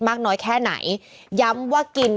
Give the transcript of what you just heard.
มากน้อยแค่ไหนย้ำว่ากิน